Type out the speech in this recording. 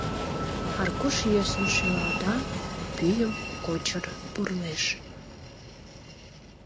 — Аркуш йӧсын шӱлалта, пӱйым кочыр пурлеш.